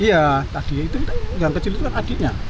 iya tadi itu yang kecil itu kan adiknya